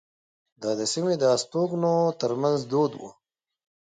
دا د سیمې د استوګنو ترمنځ دود وو.